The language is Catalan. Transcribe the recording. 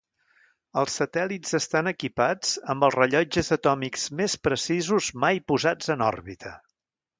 Els satèl·lits estan equipats amb els rellotges atòmics més precisos mai posats en òrbita.